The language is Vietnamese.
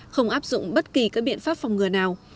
không áp dụng bất kỳ các biện pháp phòng ngừa nào